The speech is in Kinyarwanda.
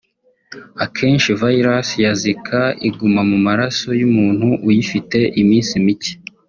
Akenshi virus ya Zika iguma mu maraso y’umuntu uyifite iminsi mike